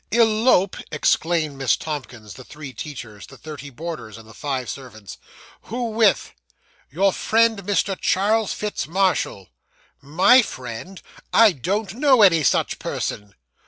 'Elope!' exclaimed Miss Tomkins, the three teachers, the thirty boarders, and the five servants. 'Who with?' Your friend, Mr. Charles Fitz Marshall.' 'My friend! I don't know any such person.